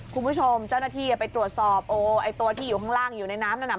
คุณผู้ชมเจ้าหน้าที่ไปตรวจสอบโอ้ไอ้ตัวที่อยู่ข้างล่างอยู่ในน้ำนั่นน่ะ